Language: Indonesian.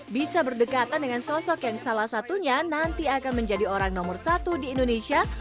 bisa berdekatan dengan sosok yang salah satunya nanti akan menjadi orang nomor satu di indonesia